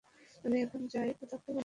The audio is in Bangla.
আমি এখনই যাই, প্রতাপকে বলিয়া আসি গে।